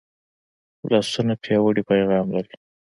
لاسونه پیاوړی پیغام لري